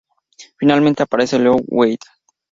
Finalmente, aparece Leo Wyatt...